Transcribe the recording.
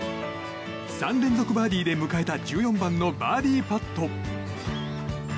３連続バーディーで迎えた１４番のバーディーパット。